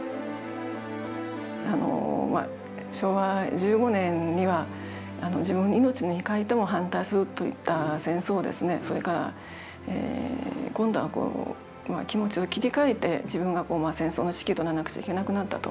昭和１５年には自分の命に代えても反対すると言った戦争を今度は気持ちを切り替えて自分が戦争の指揮執らなくちゃいけなくなったと。